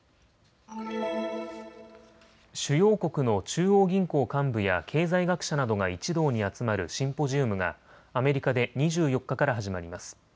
主要国の中央銀行幹部や経済学者などが一堂に集まるシンポジウムがアメリカで２４日から始まります。